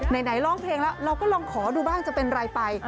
ไหนร้องเพลงแล้วเราก็ลองขอดูบ้างจะเป็นไรไป